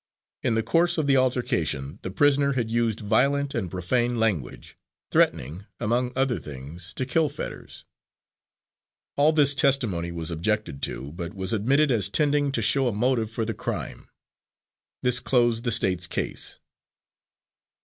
In the course of the altercation, the prisoner had used violent and profane language, threatening, among other things, to kill Fetters. All this testimony was objected to, but was admitted as tending to show a motive for the crime. This closed the State's case.